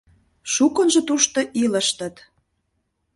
Шукынжо тушто илыштыт.